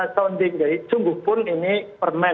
permendikti ini muncul ketika jpr sediakan